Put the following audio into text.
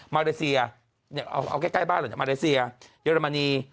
มาเลเซียเอาใกล้บ้านเหรอมาเลเซียเยอรมนี